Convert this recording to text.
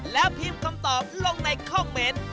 แล้วพิมพ์คำตอบลงในคอมเมนต์